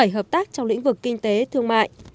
hợp tác trong lĩnh vực kinh tế thương mại